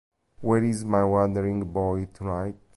Where Is My Wandering Boy Tonight?